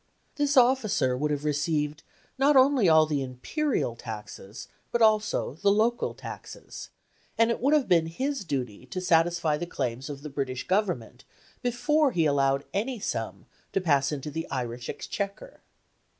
This officer would have received not only all the imperial taxes, but also the local taxes; and it would have been his duty to satisfy the claims of the British Government before he allowed any sum to pass into the Irish Exchequer.